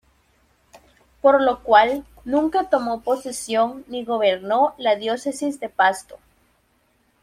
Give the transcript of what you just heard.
Por lo cual nunca tomo posesión ni gobernó la diócesis de Pasto.